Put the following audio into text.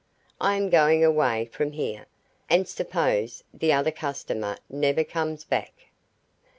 I am going away from here, and suppose the other customer never comes back?"